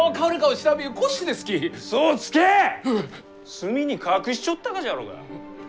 隅に隠しちょったがじゃろうが。